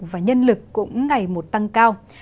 và nhân lực cũng ngày một tăng cấp